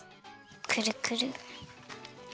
くるくる。